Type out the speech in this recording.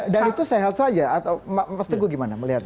dan itu sehat saja atau pasti gue gimana melihatnya